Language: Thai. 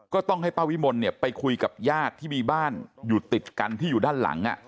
ก็ต้องให้ป้าวิมลไปคุยกับญาติที่มีบ้านอยู่ติดกันที่อยู่ด้านหลัง